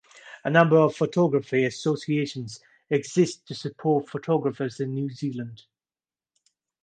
A number of photography associations exist to support photographers in New Zealand.